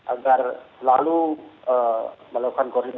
agar selalu melakukan koordinasi